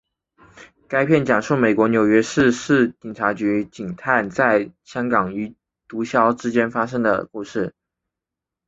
该片讲述美国纽约市警察局警探在香港与毒枭之间发生的故事。